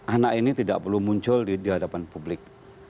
anak ini tidak perlu muncul di hadapan publik